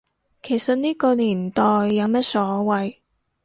其實呢個年代有咩所謂